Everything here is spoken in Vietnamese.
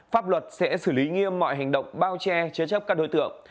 pháp luật sẽ xử lý nghiêm mọi hành động bao che chế chấp các đối tượng